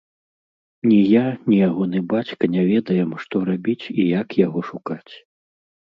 Ні я, ні ягоны бацька не ведаем, што рабіць і як яго шукаць.